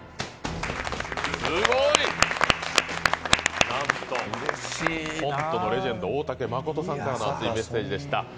すごい！なんと、コントのレジェンド大竹まことさんからの熱いメッセージでした。